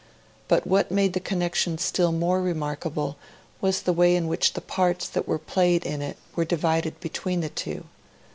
But what made the connection still more remarkable was the way in which the parts that were played in it were divided between the two.